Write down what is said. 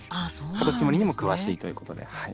カタツムリにも詳しいということで。